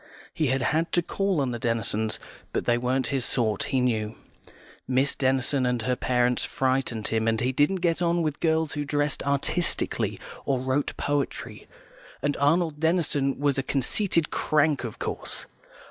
He had had to call on the Denisons, but they weren't his sort, he knew. Miss Denison and her parents frightened him, and he didn't get on with girls who dressed artistically, or wrote poetry, and Arnold Denison was a conceited crank, of course.